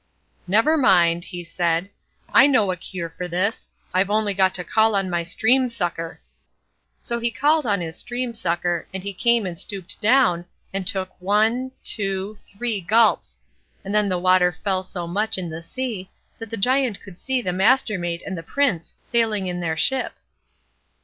"Never mind", he said; "I know a cure for this. I've only got to call on my stream sucker." So he called on his stream sucker, and he came and stooped down, and took one, two, three gulps; and then the water fell so much in the sea, that the Giant could see the Mastermaid and the Prince sailing in their ship.